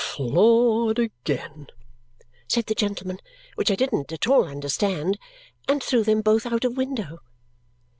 "Floored again!" said the gentleman, which I didn't at all understand, and threw them both out of window.